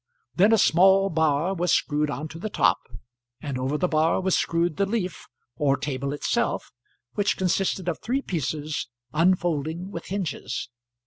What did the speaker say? Then a small bar was screwed on to the top, and over the bar was screwed the leaf, or table itself, which consisted of three pieces unfolding with hinges.